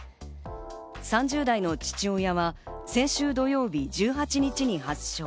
３０代の父親は先週土曜日１８日に発症。